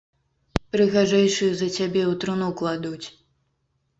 Прыгажэйшую за цябе ў труну кладуць.